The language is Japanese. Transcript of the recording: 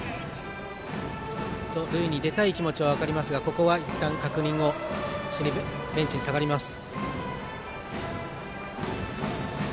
塁に出たい気持ちは分かりますがここはいったん確認をしにベンチに下がります。